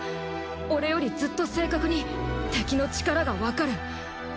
俺よりずっと正確に敵の力がわかる。